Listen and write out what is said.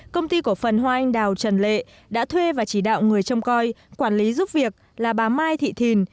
công ty cổ phần hoa anh đào trần lệ đã thuê và chỉ đạo người trông coi quản lý giúp việc là bà mai thị thìn